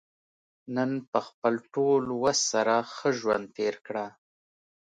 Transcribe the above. نن په خپل ټول وس سره ښه ژوند تېر کړه.